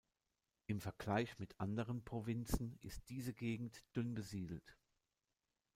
Im Vergleich mit anderen Provinzen ist diese Gegend dünn besiedelt.